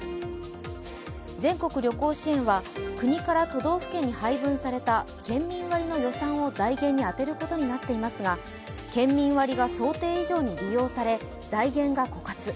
全国旅行支援は、国から都道府県に配分された県民割の予算を財源に充てることになっていますが県民割が想定以上に利用され、財源が枯渇。